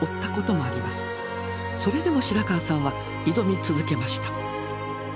それでも白川さんは挑み続けました。